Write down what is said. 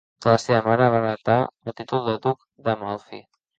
De la seva mare va heretar el títol de duc d'Amalfi.